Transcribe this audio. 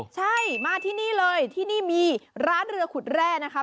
ใช่มาที่นี่เลยที่นี่มีร้านเรือขุดแร่นะคะ